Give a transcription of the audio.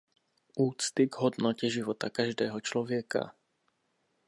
Úcty k hodnotě života každého člověka.